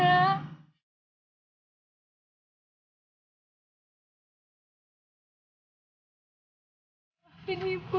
abang gak mau ikut ibu